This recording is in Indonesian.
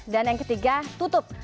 dan yang ketiga tutup